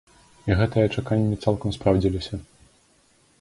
І гэтыя чаканні цалкам спраўдзіліся.